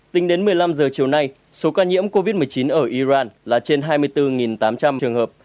tính đến một mươi năm giờ chiều nay số ca nhiễm covid một mươi chín ở iran là trên hai mươi bốn tám trăm linh trường hợp